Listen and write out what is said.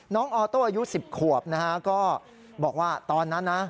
ออโต้อายุ๑๐ขวบนะฮะก็บอกว่าตอนนั้นนะ